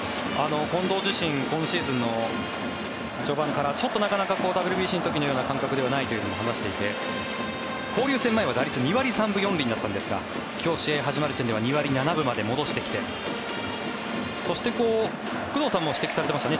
近藤自身今シーズンの序盤からちょっとなかなかＷＢＣの時のような感覚でもないと話していて、交流戦前は打率２割３分４厘だったんですが今日、試合始まる時点では２割７分まで戻してきてそして、工藤さんも指摘されてました